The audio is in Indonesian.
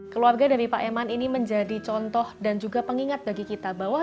keluarga dari pak eman ini menjadi contoh dan juga pengingat bagi kita bahwa